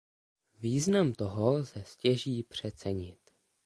Význam toho lze stěží přecenit.